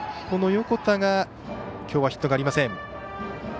この横田が今日はヒットがありません。